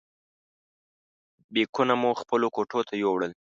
بیکونه مو خپلو کوټو ته یوړل.